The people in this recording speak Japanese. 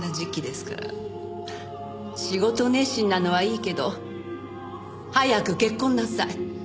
仕事熱心なのはいいけど早く結婚なさい。